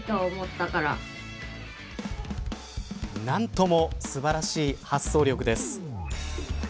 何とも素晴らしい発想力です。